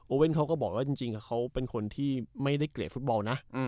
เว่นเขาก็บอกว่าจริงเขาเป็นคนที่ไม่ได้เกลียดฟุตบอลนะ